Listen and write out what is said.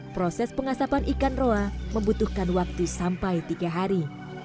proses pengasapan ikan roa membutuhkan waktu sampai tiga hari